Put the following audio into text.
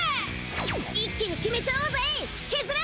一気に決めちゃおうぜケズル！